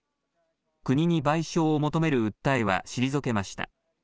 国に賠償を求める訴えは退けました。